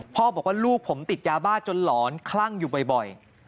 พ่อบอกว่าลูกผมติดยาบ้าจนหลอนคลั่งอยู่บ่อย